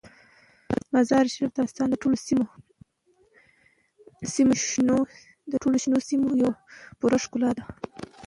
مزارشریف د افغانستان د ټولو شنو سیمو یوه پوره ښکلا ده.